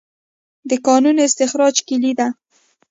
د کانونو استخراج کلي ده؟